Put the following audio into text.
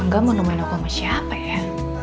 angga mau nemuin aku sama siapa ya